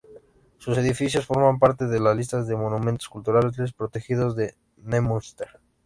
Sus edificios forman parte de la lista de monumentos culturales protegidos de Neumünster.